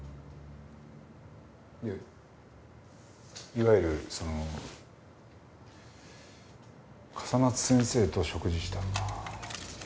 いやいわゆるその笠松先生と食事したんだ。